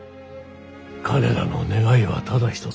彼らの願いはただ一つ。